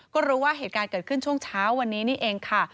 ก็รู้ว่าเหตุการณ์เกิดขึ้นช่วงเช้าวันนี้นี่เองค่ะ